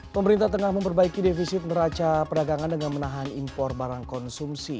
pemerintah tengah memperbaiki defisit neraca perdagangan dengan menahan impor barang konsumsi